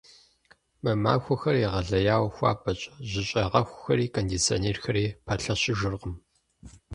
Мы махуэхэр егъэлеяуэ хуабэщ, жьыщӏегъэхухэри кондиционерхэри пэлъэщыжыркъым.